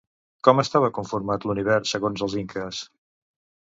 Com estava conformat l'univers segons els inques?